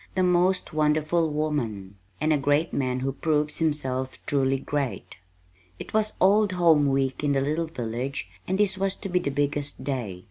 The Most Wonderful Woman And a Great Man who proves himself truly great It was Old Home Week in the little village, and this was to be the biggest day.